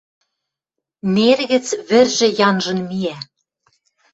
Нер гӹц вӹржӹ янжын миӓ